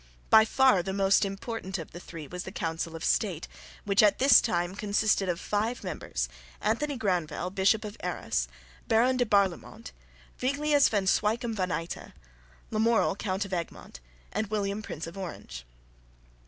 By far the most important of the three was the Council Of State, which at this time consisted of five members Anthony Granvelle, Bishop of Arras; Baron de Barlaymont; Viglius van Zwychem van Aytta; Lamoral, Count of Egmont; and William, Prince of Orange.